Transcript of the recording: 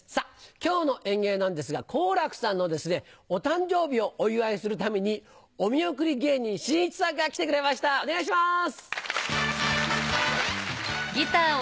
今日の演芸なんですが好楽さんのお誕生日をお祝いするためにお見送り芸人しんいちさんが来てくれましたお願いします！